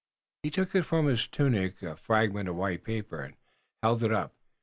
He took from his tunic a fragment of white paper and held it up.